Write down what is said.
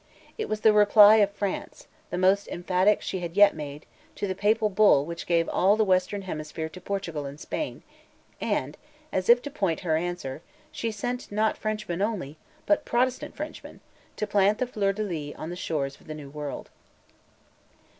It was the reply of France, the most emphatic she had yet made, to the Papal bull which gave all the western hemisphere to Portugal and Spain; and, as if to point her answer, she sent, not Frenchmen only, but Protestant Frenchmen, to plant the fleur de lis on the shores of the New World.